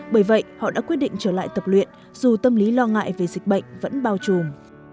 bởi vậy họ đã quyết định trở lại tập luyện dù tâm lý lo ngại về dịch bệnh vẫn bao trùm